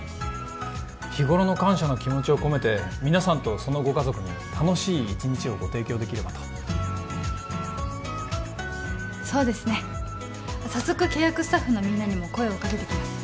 日頃の感謝の気持ちを込めて皆さんとそのご家族に楽しい一日をご提供できればとそうですね早速契約スタッフのみんなにも声をかけてきます